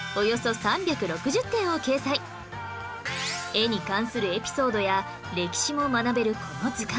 絵に関するエピソードや歴史も学べるこの図鑑